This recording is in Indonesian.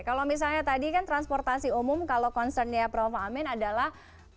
kalau misalnya tadi kan transportasi umum kalau concernnya prof amin adalah